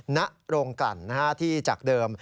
นรงกันที่จากเดิม